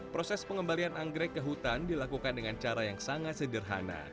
proses pengembalian anggrek ke hutan dilakukan dengan cara yang sangat sederhana